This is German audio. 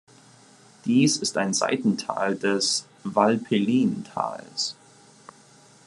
Dies ist ein Seitental des Valpelline-Tals.